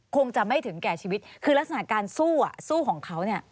คงจะไม่ถึงแก่ชีวิตคือลักษณะการสู้อ่ะสู้ของเขาเนี่ย